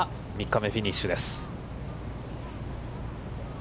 ３日目、フィニッシュです。